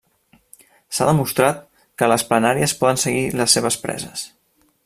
S'ha demostrat que les planàries poden seguir les seves preses.